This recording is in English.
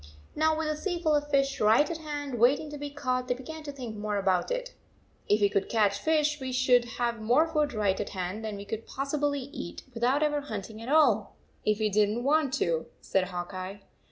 Now with a sea full of fish right at hand, waiting to be caught, they began to think more about it. " If we could catch fish, we should have more food right at hand than we could pos sibly eat, without ever hunting at all, if we didn t want to," said Hawk Eye.